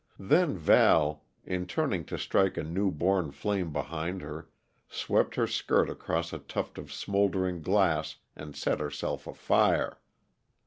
Then Val, in turning to strike a new born flame behind her, swept her skirt across a tuft of smoldering grass and set herself afire.